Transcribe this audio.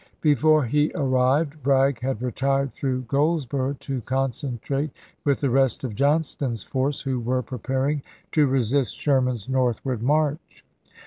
Before he arrived, Bragg had retired through Golds boro' to concentrate with the rest of Johnston's force, who were preparing to resist Sherman's northward march.